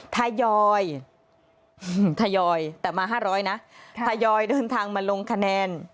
ทยอยทยอยแต่มา๕๐๐นะทยอยเดินทางมาลงคะแนน